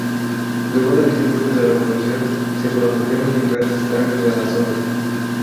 Luego del triunfo de la revolución se produjeron diversos cambios en la zona.